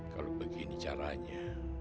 kalau begini caranya